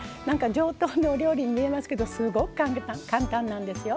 上等なお料理に見えますけどすごく簡単なんですよ。